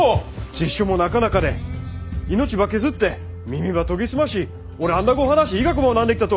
辞書もなか中で命ば削って耳ば研ぎ澄ましオランダ語を話し医学も学んできたと！